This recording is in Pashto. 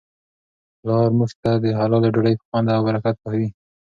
پلارموږ ته د حلالې ډوډی په خوند او برکت پوهوي.